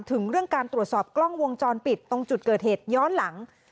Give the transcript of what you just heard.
ถึงเรื่องการตรวจสอบกล้องวงจรปิดตรงจุดเกิดเหตุย้อนหลัง